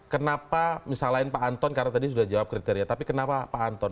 kenapa misalnya pak anton karena tadi sudah jawab kriteria tapi kenapa pak anton